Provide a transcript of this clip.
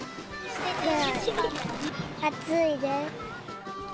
暑いです。